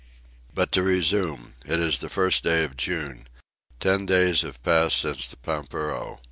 But to resume. It is the first day of June. Ten days have passed since the pampero.